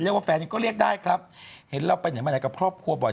เรียกว่าแฟนก็เรียกได้ครับเห็นเราไปเหนือมาแลกกับครอบครัวบ่อย